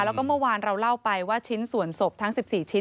แล้วก็เมื่อวานเราเล่าไปว่าชิ้นส่วนศพทั้ง๑๔ชิ้น